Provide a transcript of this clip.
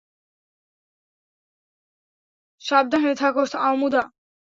সাবধানে থেকো, অমুধা।